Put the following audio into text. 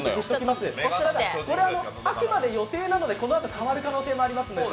これはあくまで予定なので、このあと変わる可能性もあります。